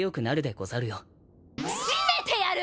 しめてやる！